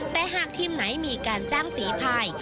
แต่หากทีมไหนมีการแจ้งฝีภาย